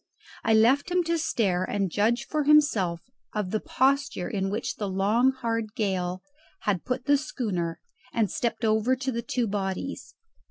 I left him to stare and judge for himself of the posture in which the long hard gale had put the schooner and stepped over to the two bodies.